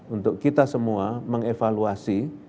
untuk kita semua mengevaluasi